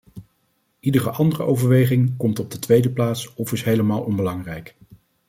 Iedere andere overweging komt op de tweede plaats of is helemaal onbelangrijk.